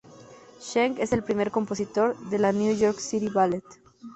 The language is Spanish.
Sheng es el primer compositor de la New York City Ballet.